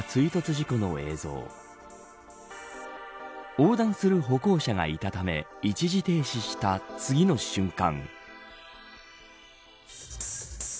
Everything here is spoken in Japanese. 横断する歩行者がいたため一時停止した次の瞬間。